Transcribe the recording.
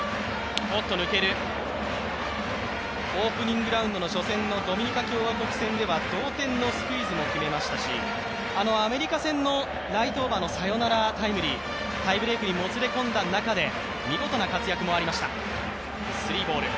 オープニングラウンドのドミニカ共和国戦では同点のスクイズも決めましたし、アメリカ戦のライトオーバーのさよならタイムリー、タイブレークにもつれ込んだ中で見事な活躍もありました。